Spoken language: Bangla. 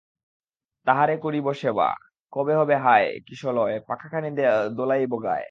তাঁহারে করিব সেবা, কবে হবে হায়– কিশলয়-পাখাখানি দোলাইব গায়?